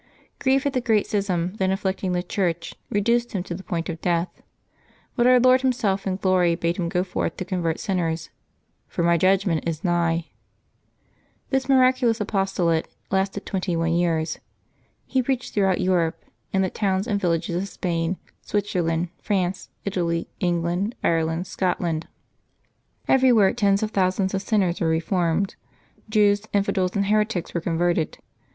Grief at the great schism then afflicting the Church reduced him to the point of death ; but Our Lord Himself in glory bade him go forth to convert sinners, " for My judgment is nigh." This miraculous apostolate lasted twenty one years. He preached throughout Europe, in the towns and villages of Spain, Switzerland, France, Italy, England, Ireland, Scotland. Everywhere tens of thousands of sinners were reformed; Jews, infidels, and heretics were converted.